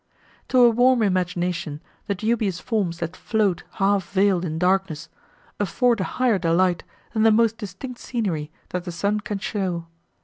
To a warm imagination, the dubious forms, that float, half veiled in darkness, afford a higher delight, than the most distinct scenery, that the sun can show.